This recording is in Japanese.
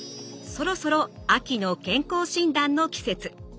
そろそろ秋の健康診断の季節。